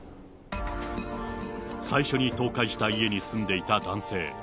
最初に倒壊した家に住んでいた男性。